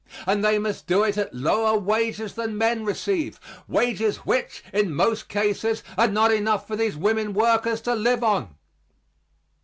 And they must do it at lower wages than men receive wages which, in most cases, are not enough for these women workers to live on.